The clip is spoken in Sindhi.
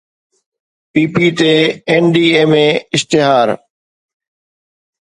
پي پي تي NDMA اشتهار